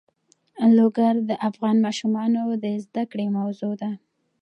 لوگر د افغان ماشومانو د زده کړې موضوع ده.